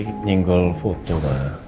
dia nyinggol foto mah